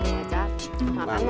iya ce makan dong aja